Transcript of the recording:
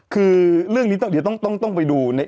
คือเรื่องนี้เดี๋ยวต้องไปดู